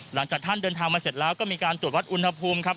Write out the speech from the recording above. หลังจากท่านเดินทางมาเสร็จแล้วก็มีการตรวจวัดอุณหภูมิครับ